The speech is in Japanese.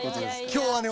今日はね